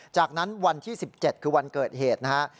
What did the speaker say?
จากนั้นวันที่๑๗คือวันเกิดเหตุนะฮะ